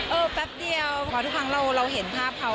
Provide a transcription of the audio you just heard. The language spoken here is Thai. เออแป๊บเดียวพอทุกท่างเราเห็นภาพเค้า